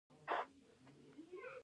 ښکلی یې، مینه درسره لرم